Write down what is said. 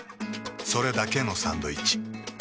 それだけのサンドイッチ。